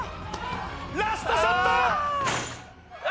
ラストショットああ！